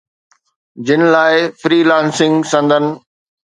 جن لاءِ freelancing سندن